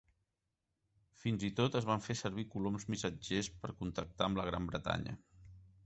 Fins i tot es van fer servir coloms missatgers per contactar amb la Gran Bretanya.